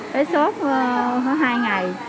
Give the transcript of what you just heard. bé sốt hai ngày